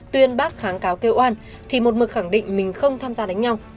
tuyên bác kháng cáo kêu oan thì một mực khẳng định mình không tham gia đánh nhau